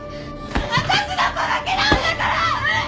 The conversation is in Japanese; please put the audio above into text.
私の子だけなんだから！！